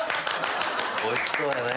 おいしそうやね。